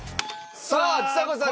さあちさ子さん